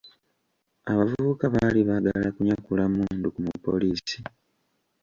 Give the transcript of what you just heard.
Abavubuka baali baagala kunyakula mmundu ku mupoliisi.